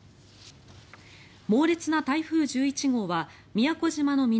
猛烈な台風１１号は宮古島の南